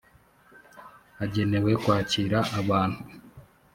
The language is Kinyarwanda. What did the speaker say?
g ahagenewe kwakira abantu